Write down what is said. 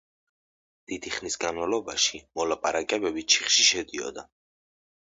დიდი ხნის განმავლობაში მოლაპარაკებები ჩიხში შედიოდა.